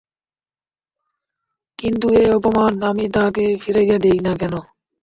কিন্তু এ অপমান আমিই তাহাকে ফিরাইয়া দিই না কেন?